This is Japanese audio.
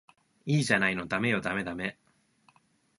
いいじゃないのダメよダメダメ